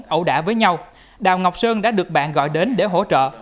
ẩu đả với nhau đào ngọc sơn đã được bạn gọi đến để hỗ trợ